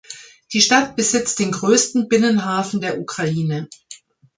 Die Stadt besitzt den größten Binnenhafen der Ukraine.